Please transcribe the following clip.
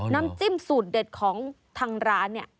น้ำจิ้มสูตรเด็ดของทางร้านเนี่ย